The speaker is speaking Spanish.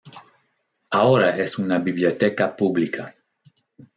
Ahora es una biblioteca pública.